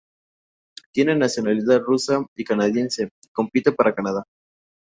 Tiene nacionalidad rusa y canadiense, compite para Canadá.